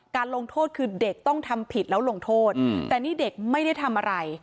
ลงโทษคือเด็กต้องทำผิดแล้วลงโทษแต่นี่เด็กไม่ได้ทำอะไร